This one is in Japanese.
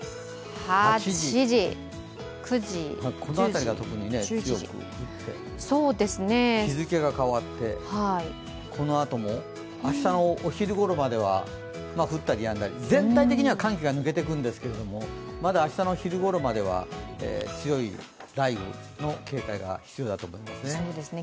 この辺りが強く降って、日付が変わって、このあとも、明日もお昼ごろまでは降ったりやんだり、全体的には寒気が抜けていくんですけどまだ明日の昼ごろまでは強い雷雨の警戒が必要だと思いますね。